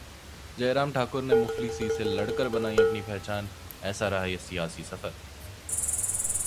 जयराम ठाकुर ने मुफलिसी से लड़कर बनाई अपनी पहचान, ऐसा रहा सियासी सफर